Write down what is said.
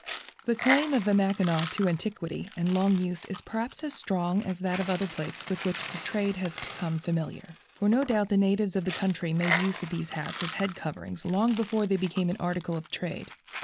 The claim of the Mackinaw to antiquity and long use is perhaps as strong as that of other plaits with which the trade has become familiar, for no doubt the natives of the country made use of these hats as a head covering long before they became an article of trade.